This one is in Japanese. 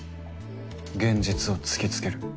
現実を突きつける？